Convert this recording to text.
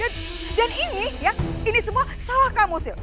dan ini semua salah kamu syl